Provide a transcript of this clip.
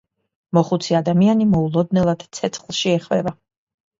მოხუცი ადამიანი მოულოდნელად ცეცხლში ეხვევა.